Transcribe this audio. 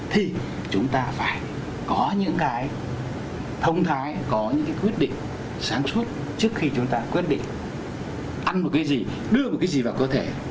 thì chúng ta phải có những cái thông thái có những cái quyết định sáng suốt trước khi chúng ta quyết định ăn một cái gì đưa một cái gì vào cơ thể